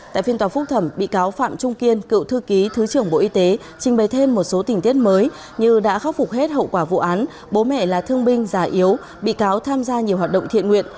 tại phiên tòa phúc thẩm bị cáo phạm trung kiên cựu thư ký thứ trưởng bộ y tế trình bày thêm một số tình tiết mới như đã khắc phục hết hậu quả vụ án bố mẹ là thương binh già yếu bị cáo tham gia nhiều hoạt động thiện nguyện